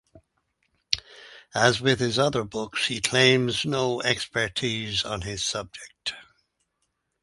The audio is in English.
As with his other books he claims no expertise in his subject.